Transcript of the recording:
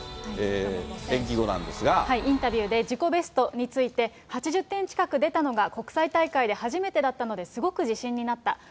インタビューで、自己ベストについて、８０点近く出たのが国際大会で初めてだったので、すごく自信になった。